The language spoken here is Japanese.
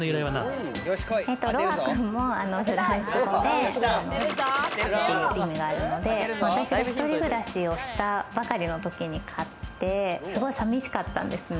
ロワくんもフランス語でという意味があるので私が一人暮らしをしたばかりの時に飼って、すごいさみしかったんですね。